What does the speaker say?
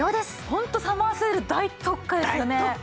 ホントサマーセール大特価ですよね。